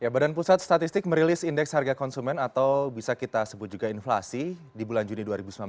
badan pusat statistik merilis indeks harga konsumen atau bisa kita sebut juga inflasi di bulan juni dua ribu sembilan belas